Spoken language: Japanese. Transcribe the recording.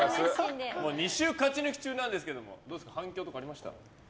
２週勝ち抜き中なんですけども反響とかありましたか？